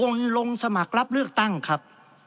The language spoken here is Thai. มีส่วนร่วมคัดคนลงสมัครับเลือกตั้งครับ